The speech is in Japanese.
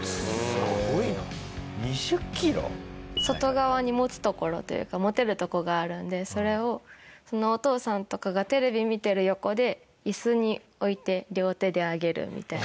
外側に持つところというか持てるとこがあるのでそれをお父さんとかがテレビ見てる横で椅子に置いて両手で挙げるみたいな。